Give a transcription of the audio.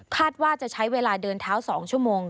ว่าจะใช้เวลาเดินเท้า๒ชั่วโมง